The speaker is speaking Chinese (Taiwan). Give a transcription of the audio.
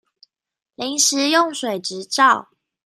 臨時用水執照